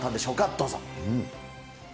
どうぞ。